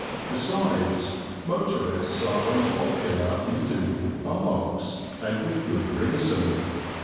Besides, motorists are unpopular in ducal parks, and with good reason.